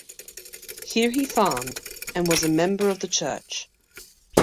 Here he farmed and was a member of the church.